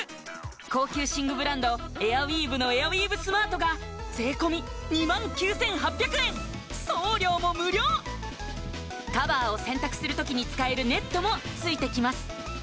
高級寝具ブランドエアウィーヴのエアウィーヴスマートが税込２９８００円送料も無料カバーを洗濯する時に使えるネットも付いてきます